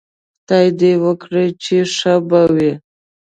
خدای دې وکړي چې ښه به وئ